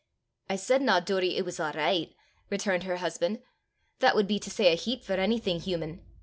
"I saidna, Doory, it was a' richt," returned her husband; "that would be to say a heap for onything human!